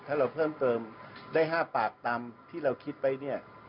ถ้าเราเพิ่มเติมได้๕ปากตามที่เราคิดไว้เนี่ย